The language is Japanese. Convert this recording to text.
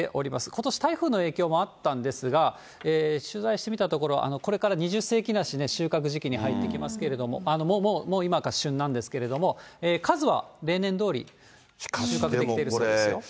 ことし台風の影響もあったんですが、取材してみたところ、これから２０世紀梨ね、収穫時期に入ってきますけれども、もう今が旬なんですけども、数は例年どおり収穫できてるそうですよ。